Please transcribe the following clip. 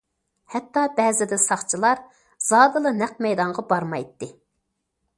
ھەتتا بەزىدە ساقچىلار زادىلا نەق مەيدانغا بارمايتتى.